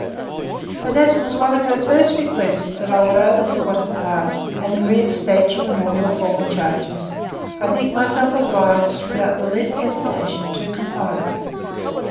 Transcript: But as it was one of her first requests, that I would overlook what had passed, and reinstate you in all your former charges, I think myself obliged, without the least hesitation, to comply with it.